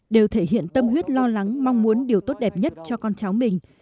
đều thể hiện tâm huyết lo lắng mong muốn điều tốt đẹp nhất cho con cháu mình